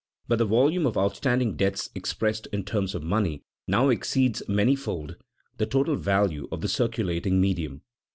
But the volume of outstanding debts expressed in terms of money now exceeds many fold the total value of the circulating medium.